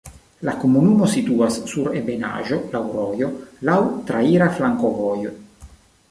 La komunumo situas sur ebenaĵo, laŭ rojo, laŭ traira flankovojo.